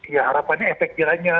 ya harapannya efek jerahnya